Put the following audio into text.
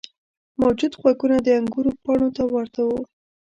موجود غوږونه د انګور پاڼو ته ورته وو.